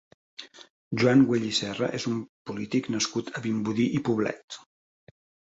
Joan Güell i Serra és un polític nascut a Vimbodí i Poblet.